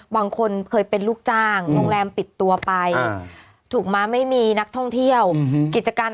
ก็คือทุนมา๑๐๐๐บาทตัวละ๑๕๐บาทอะไรอย่างนี้มา